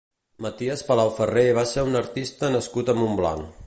Maties Palau Ferré va ser un artista nascut a Montblanc.